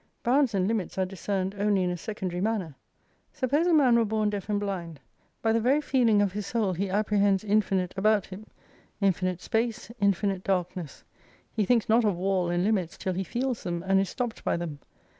Bounds and limits are discerned only in a secondary manner. Suppose a man were born deaf and blind. By the very feeling of his soul, he apprehends infinite about him, infinite space, infinite darkness. He thinks not of wall and limits till he feels them and is stopped by them.